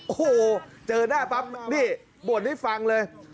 โอ้โหเจอหน้าปั๊บนี่บ่นให้ฟังเลย